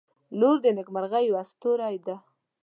• لور د نیکمرغۍ یوه ستوری ده.